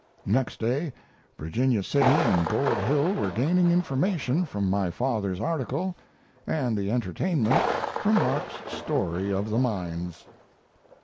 Next day Virginia City and Gold Hill were gaining information from my father's article, and entertainment from Mark's story of the mines.